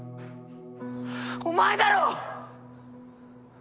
お前だろ！？